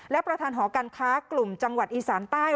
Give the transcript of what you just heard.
และประธานหอการค้ากลุ่มจังหวัดอีสานใต้